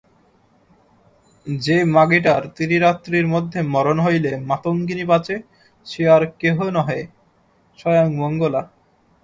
যে-মাগীটার ত্রিরাত্রির মধ্যে মরণ হইলে মাতঙ্গিনী বাঁচে সে আর কেহে নহে স্বয়ং মঙ্গলা।